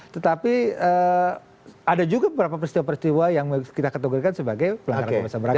tetapi ada juga beberapa peristiwa peristiwa yang kita kategorikan sebagai pelanggaran kebebasan beragama